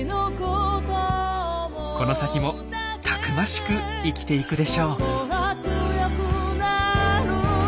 この先もたくましく生きていくでしょう。